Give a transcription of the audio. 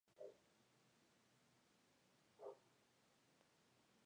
En Europa los países colindantes eran Rumanía, Hungría, Checoslovaquia, Polonia, Noruega y Finlandia.